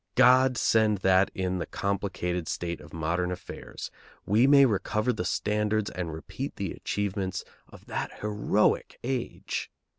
God send that in the complicated state of modern affairs we may recover the standards and repeat the achievements of that heroic age!